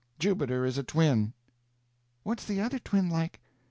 Jubiter is a twin." "What's t'other twin like?"